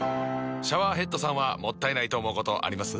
シャワーヘッドさんはもったいないと思うことあります？